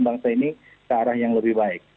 bangsa ini ke arah yang lebih baik